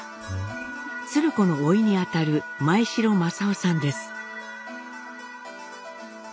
鶴子のおいにあたる前城正雄さんです。